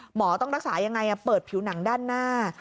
หมอต้องรักษายังไงเปิดผิวหนังด้านหน้า